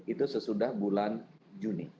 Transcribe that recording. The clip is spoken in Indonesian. itu sesudah bulan juni